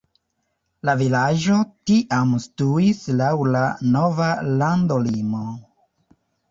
La vilaĝo tiam situis laŭ la nova landolimo.